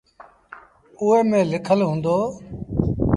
اُئي ميݩ لکل هُݩدو۔